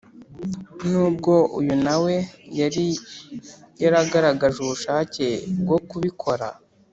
nubwo uyu na we yari yaragaragaje ubushake bwo kubikora.